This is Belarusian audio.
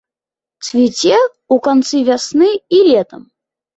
Цвіце ў канцы вясны і летам.